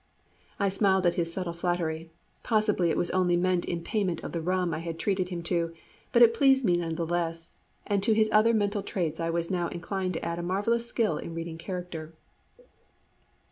I smiled at his subtle flattery; possibly it was only meant in payment of the rum I had treated him to, but it pleased me none the less, and to his other mental traits I was now inclined to add a marvellous skill in reading character.